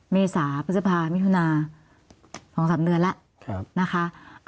เมษาพฤษภามิถุนา๒๓เดือนแล้วนะคะ